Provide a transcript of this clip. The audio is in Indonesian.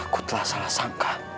aku telah salah sangka